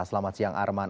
selamat siang arman